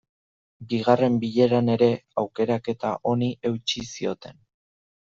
Bigarren bileran ere, aukeraketa honi eutsi zioten.